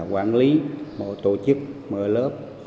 quản lý tổ chức mở lớp